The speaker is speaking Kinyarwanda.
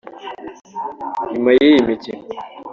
nyuma y'iyi mikino